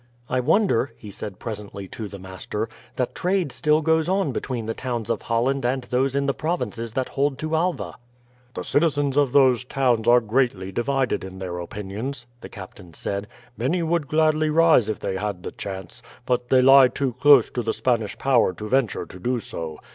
"I wonder," he said presently to the master, "that trade still goes on between the towns of Holland and those in the provinces that hold to Alva." "The citizens of those towns are greatly divided in their opinions," the captain said. "Many would gladly rise if they had the chance, but they lie too close to the Spanish power to venture to do so.